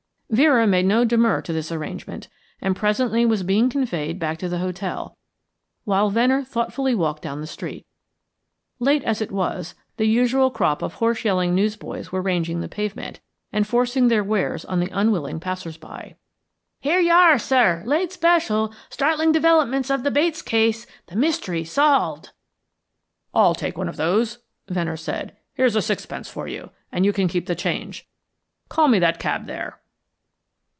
Vera made no demur to this arrangement, and presently was being conveyed back to the hotel, while Venner thoughtfully walked down the street. Late as it was, the usual crop of hoarse yelling newsboys were ranging the pavement and forcing their wares on the unwilling passers by. "Here you are, sir. 'Late Special.' Startling development of the Bates Case. The mystery solved." "I'll take one of those," Venner said. "Here's sixpence for you, and you can keep the change. Call me that cab there."